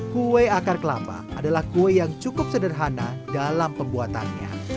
kue akar kelapa adalah kue yang cukup sederhana dalam pembuatannya